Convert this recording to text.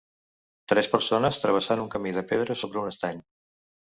Tres persones travessant un camí de pedres sobre un estany.